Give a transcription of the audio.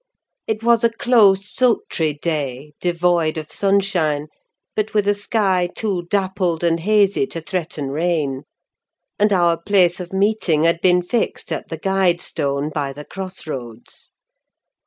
It was a close, sultry day: devoid of sunshine, but with a sky too dappled and hazy to threaten rain: and our place of meeting had been fixed at the guide stone, by the cross roads.